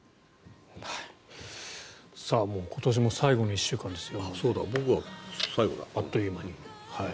もう今年も最後の１週間ですが。